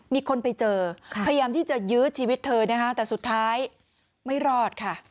มีคนไปเจอพยายามที่จะยื้อชีวิตเธอนะคะแต่สุดท้ายไม่รอดค่ะ